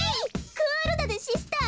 クールだぜシスター！